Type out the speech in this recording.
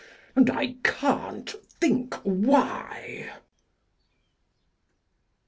And I can't think why!